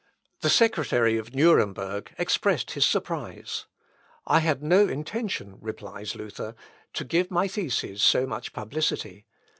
The secretary of Nuremberg expressed his surprise. "I had no intention," replies Luther, "to give my theses so much publicity.